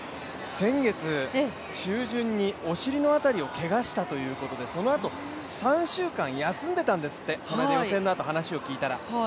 先月、中旬にお尻の辺りをけがしたということでそのあと３週間休んでいたんですって、この間予選のときの話を聞いたら。